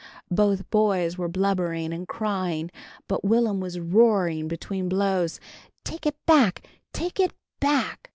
Both boys were blubbering and crying, but Will'm was roaring between blows, "Take it back! Take it back!"